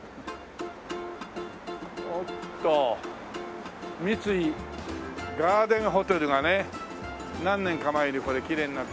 おっと三井ガーデンホテルがね何年か前にきれいになって。